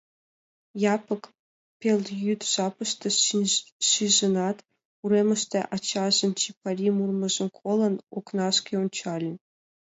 Япык пелйӱд жапыште шижынат, Уремыште ачажын «чипари» мурымыжым колын, окнашке ончалын.